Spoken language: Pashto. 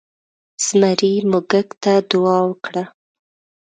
زمري موږک ته دعا وکړه.